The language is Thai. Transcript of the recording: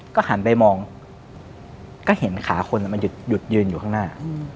ก็หันไปมองก็เห็นขาคนมันหยุดยืนอยู่ข้างหน้า